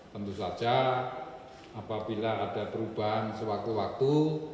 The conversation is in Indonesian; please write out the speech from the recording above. tentu saja apabila ada perubahan sewaktu waktu